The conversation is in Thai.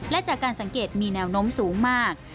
และจากการสังเกตมีแนวโน้มสูงมาก